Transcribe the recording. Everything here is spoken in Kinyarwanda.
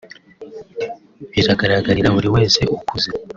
Biragaragarira buri wese ukuze